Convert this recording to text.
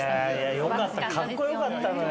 よかったかっこよかったのよ。